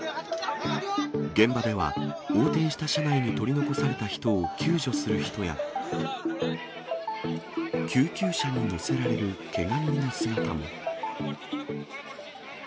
現場では、横転した車内に取り残された人を救助する人や、救急車に乗せられるけが人の姿も。